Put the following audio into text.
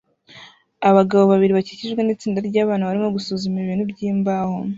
Abagabo babiri bakikijwe nitsinda ryabana barimo gusuzuma ibintu byimbaho